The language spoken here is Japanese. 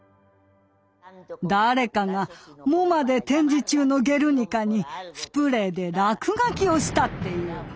誰かがＭｏＭＡで展示中の「ゲルニカ」にスプレーで落書きをしたっていう。